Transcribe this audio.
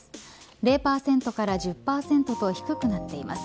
０％から１０％と低くなっています。